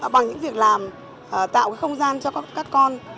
bằng những việc làm tạo không gian cho các con